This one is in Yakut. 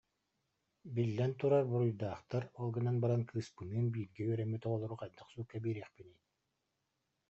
Биллэн турар буруйдаахтар, ол гынан баран кыыспыныын бииргэ үөрэммит оҕолору хайдах суукка биэриэхпиний